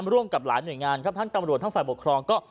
ร่วมกับหลายหน่วยงานครับทั้งตำรวจทั้งฝ่ายปกครองก็